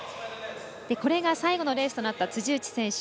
これが最後のレースとなった辻内選手